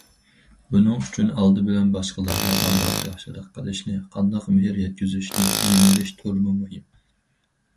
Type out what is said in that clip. بۇنىڭ ئۈچۈن ئالدى بىلەن باشقىلارغا قانداق ياخشىلىق قىلىشنى، قانداق مېھىر يەتكۈزۈشنى ئۆگىنىۋېلىش تولىمۇ مۇھىم.